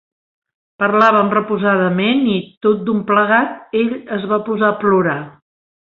Parlàvem reposadament i, tot d'un plegat, ell es va posar a plorar.